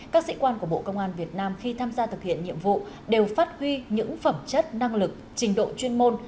các sĩ quan của bộ công an việt nam khi tham gia thực hiện nhiệm vụ đều phát huy những phẩm chất năng lực trình độ chuyên môn